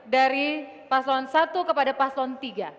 dari paslon satu kepada paslon tiga